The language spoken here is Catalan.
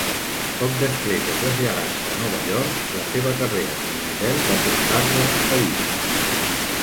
Poc després de traslladar-se a Nova York, la seva carrera com a model va portar-la a París.